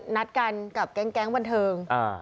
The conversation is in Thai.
นัดกันกับแก๊งบันเทิง